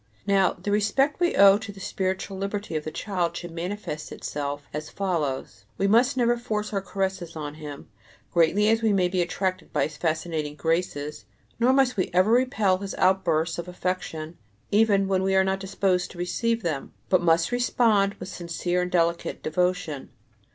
Now the respect we owe to the spiritual liberty of the child should manifest itself as follows: we must never force our caresses on him, greatly as we may be attracted by his fascinating graces; nor must we ever repel his outbursts of affection, even when we are not disposed to receive them, but must respond with sincere and delicate devotion.